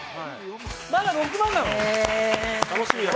まだ６万なの？